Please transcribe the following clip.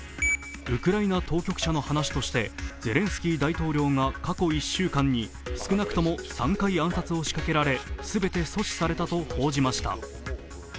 ウクライナ当局者の話としてゼレンスキー大統領が過去１週間に少なくとも３回暗殺を仕掛けられ全て阻止されたと報じました。